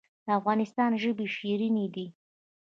د افغانستان ژبې شیرینې دي